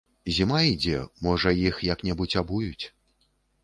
Зіма ідзе, можа, іх як-небудзь абуюць.